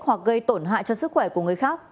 hoặc gây tổn hại cho sức khỏe của người khác